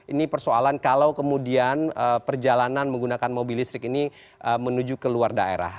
ini persoalan kalau kemudian perjalanan menggunakan mobil listrik ini menuju ke luar daerah